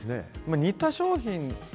似た商品。